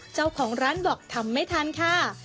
เจ้าของร้านบอกทำไม่ทันค่ะ